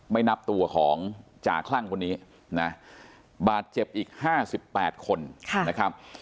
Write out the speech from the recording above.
ไม่นับตัวของจ่าคลั่งคนนี้นะบาดเจ็บอีก๕๘คนนะครับ